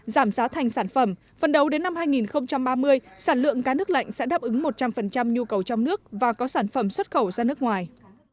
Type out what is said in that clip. giảm giá thành sản phẩm phần đầu đến năm hai nghìn ba mươi sản lượng cá nước lạnh sẽ đáp ứng một trăm linh nhu cầu trong nước và có sản phẩm xuất khẩu ra nước ngoài